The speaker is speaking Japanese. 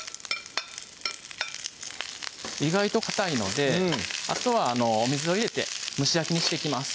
意外とかたいのであとはお水を入れて蒸し焼きにしていきます